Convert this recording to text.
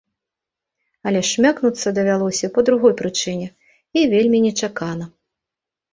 Але шмякнуцца давялося па другой прычыне і вельмі нечакана.